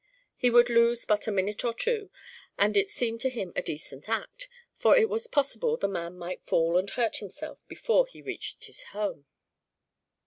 He would lose but a minute or two, and it seemed to him a decent act, for it was possible the man might fall and hurt himself before he reached his home.